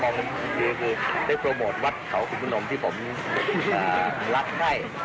ก็มองดีกว่าได้โปรโมทวัดเขาขุมภูมินมที่ผมรัดให้